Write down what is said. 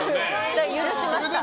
許しました。